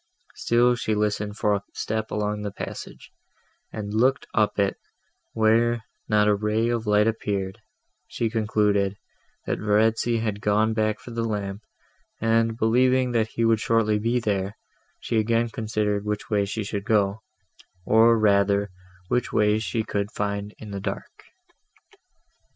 Still she listened for a step along the passage, and looked up it, where, not a ray of light appearing, she concluded, that Verezzi had gone back for the lamp; and, believing that he would shortly be there, she again considered which way she should go, or rather which way she could find in the dark.